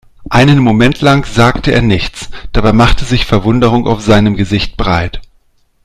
Einen Moment lang sagte er nichts, dabei machte sich Verwunderung auf seinem Gesicht breit.